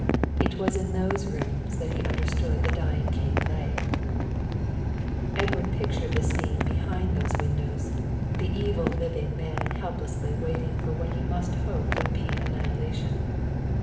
It was in those rooms that he understood the dying king lay. Edward pictured the scene behind those windows, the evil living man helplessly waiting for what he must hope would be annihilation.